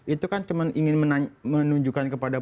itu kan cuma ingin menunjukkan kepada